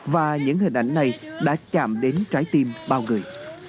và những hình ảnh này đã chạm đến trái tim bao người